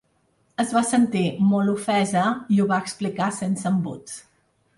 Es va sentir molt ofesa i ho va explicar sense embuts.